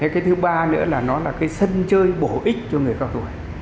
cái thứ ba nữa là nó là cái sân chơi bổ ích cho người cao tuổi